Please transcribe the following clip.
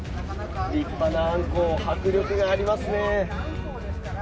立派なアンコウ迫力がありますね。